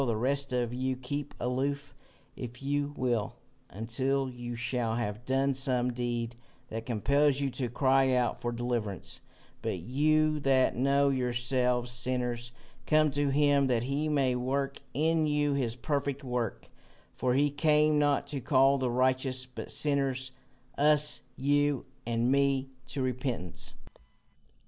The rest of you keep aloof, if you will, until you shall have done some deed that compels you to cry out for deliverance; but you that know yourselves sinners, come to him that he may work in you his perfect work, for he came not to call the righteous, but sinners, us, you and me, to repentance."